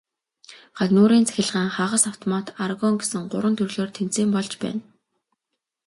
Гагнуурын цахилгаан, хагас автомат, аргон гэсэн гурван төрлөөр тэмцээн болж байна.